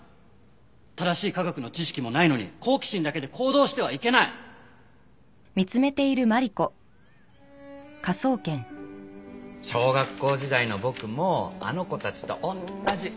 正しい科学の知識もないのに好奇心だけで行動してはいけない！小学校時代の僕もあの子たちとおんなじ！